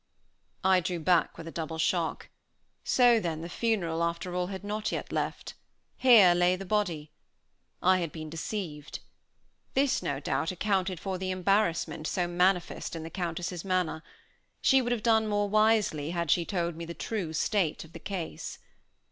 I drew back with a double shock. So, then, the funeral after all had not yet left! Here lay the body. I had been deceived. This, no doubt, accounted for the embarrassment so manifest in the Countess's manner. She would have done more wisely had she told me the true state of the case.